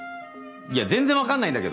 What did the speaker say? いや全然分かんないんだけど。